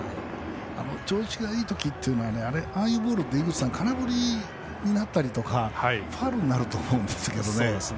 調子がいい時というのはああいうボールというのは井口さん空振りになったりとかファウルになると思うんですけどね。